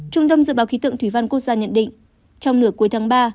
trung tâm dự báo khí tượng thủy văn quốc gia nhận định trong nửa cuối tháng ba